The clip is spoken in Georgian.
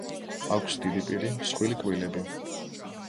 აქვს დიდი პირი, მსხვილი კბილები.